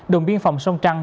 đường biên phòng sông trăng